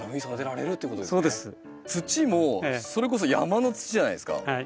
土もそれこそ山の土じゃないですか。